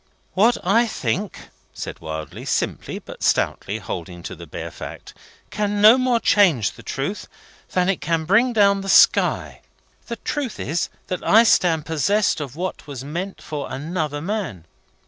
"What I think," said Wilding, simply but stoutly holding to the bare fact, "can no more change the truth than it can bring down the sky. The truth is that I stand possessed of what was meant for another man."